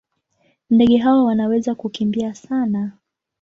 Ndege hawa wanaweza kukimbia sana.